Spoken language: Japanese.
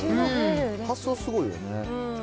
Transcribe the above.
発想すごいよね。